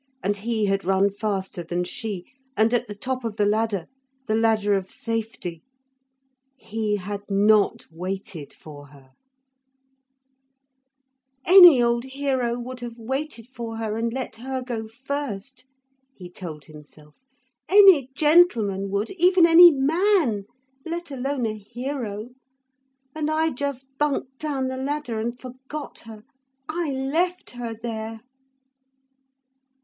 And he had run faster than she. And at the top of the ladder the ladder of safety he had not waited for her. 'Any old hero would have waited for her, and let her go first,' he told himself. 'Any gentleman would even any man let alone a hero. And I just bunked down the ladder and forgot her. I left her there.'